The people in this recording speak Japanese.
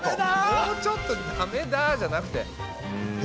もうちょっとだめだじゃなくて！